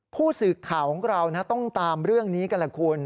ผู้สื่อข่าวของเราต้องตามเรื่องนี้กันแหละคุณ